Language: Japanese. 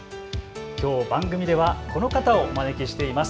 きょう番組ではこの方をお招きしています。